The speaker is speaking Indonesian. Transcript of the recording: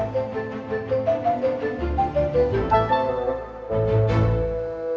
yang udah izinin lo tinggal di rumahnya